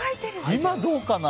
今、どうかな。